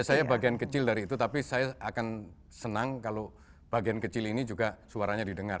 saya bagian kecil dari itu tapi saya akan senang kalau bagian kecil ini juga suaranya didengar